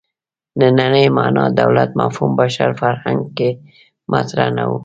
نننۍ معنا دولت مفهوم بشر فرهنګ کې مطرح نه و.